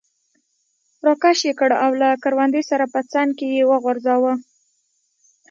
را کش یې کړ او له کروندې سره په څنګ کې یې وغورځاوه.